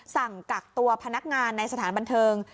สั่งกักตัวพนักงานในสถานบันเทิง